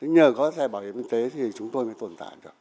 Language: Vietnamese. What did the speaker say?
nhờ có thẻ bảo hiểm y tế thì chúng tôi mới tồn tại được